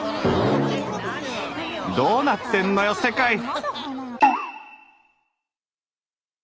どうなってんのよ世界！